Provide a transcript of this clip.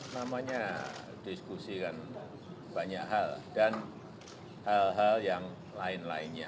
namanya diskusi kan banyak hal dan hal hal yang lain lainnya